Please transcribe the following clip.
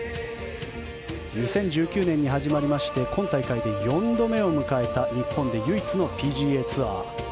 ２０１９年に始まり今大会で４度目を迎えた日本で唯一のＰＧＡツアー。